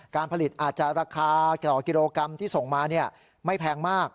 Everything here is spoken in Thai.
การผลิตอาจจะราคาต่อกิโลกรัมที่ส่งมาไม่แพงมาก